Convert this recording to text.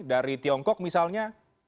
dari tiongkok misalnya